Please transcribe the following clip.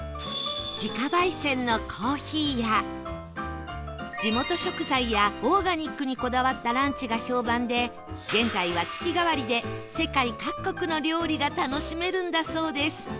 自家焙煎のコーヒーや地元食材やオーガニックにこだわったランチが評判で現在は月替わりで世界各国の料理が楽しめるんだそうです